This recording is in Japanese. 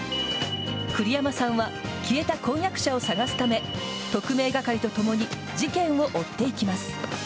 栗山さんは消えた婚約者を捜すため特命係とともに事件を追っていきます。